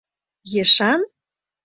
Ешан?